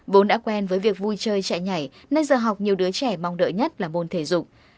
vốn đã quen với việc vui chơi chạy nhảy nên giờ học nhiều đứa trẻ mong đợi nhất là môn thể dục